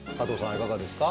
いかがですか？